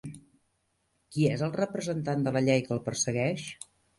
Qui és el representant de la llei que el persegueix?